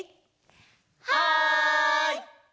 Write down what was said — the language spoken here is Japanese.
はい！